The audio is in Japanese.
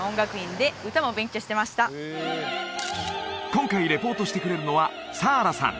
今回リポートしてくれるのはサーラさん